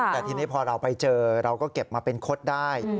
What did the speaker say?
แต่ทีนี้พอเราไปเจอเราก็เก็บมาเป็นคดได้